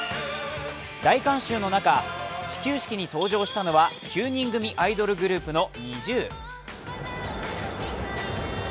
大観衆の中、始球式に登場したのは９人組アイドルグループのＮｉｚｉＵ。